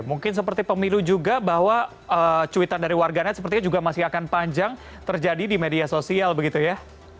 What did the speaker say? mungkin seperti pemilu juga bahwa cuitan dari warganet sepertinya juga masih akan panjang terjadi di media sosial begitu ya